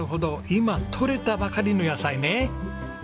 今とれたばかりの野菜ね。